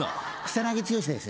草剛です。